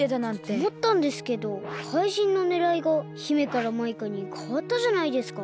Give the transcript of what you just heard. おもったんですけどかいじんのねらいが姫からマイカにかわったじゃないですか。